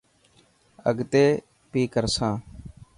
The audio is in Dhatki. اگتي بي ڪرسان.